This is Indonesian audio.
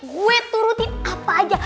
gue turutin apa aja